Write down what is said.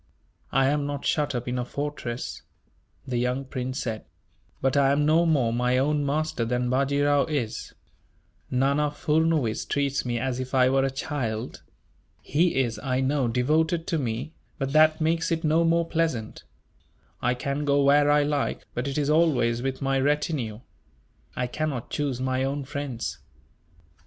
"I am not shut up in a fortress," the young prince said, "but I am no more my own master than Bajee Rao is. Nana Furnuwees treats me as if I were a child. He is, I know, devoted to me; but that makes it no more pleasant. I can go where I like, but it is always with my retinue. I cannot choose my own friends."